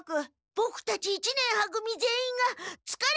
ボクたち一年は組全員がつかれていたせいです。